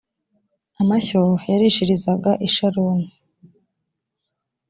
amashyo yarishirizaga i sharoni